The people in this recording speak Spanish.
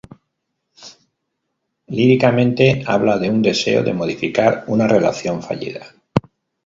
Líricamente, habla de un deseo de modificar una relación fallida.